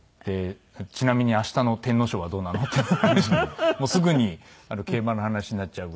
「ちなみに明日の天皇賞はどうなの？」っていう話にもうすぐに競馬の話になっちゃうぐらいですね。